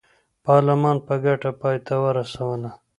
پارلمان په ګټه پای ته ورسوله.